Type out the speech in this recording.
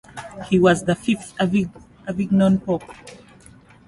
He was the fifth Avignon Pope.